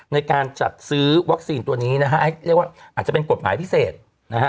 ในการจัดซื้อวัคซีนตัวนี้นะฮะอาจจะเป็นกฎหมายพิเศษนะฮะ